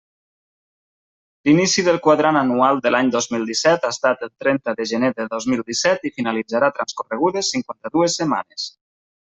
L'inici del quadrant anual de l'any dos mil disset ha estat el trenta de gener de dos mil disset i finalitzarà transcorregudes cinquanta-dues setmanes.